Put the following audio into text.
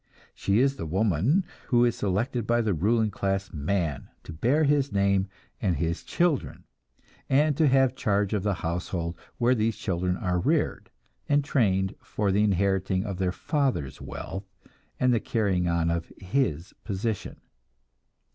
She is the woman who is selected by the ruling class man to bear his name and his children, and to have charge of the household where these children are reared, and trained for the inheriting of their father's wealth and the carrying on of his position.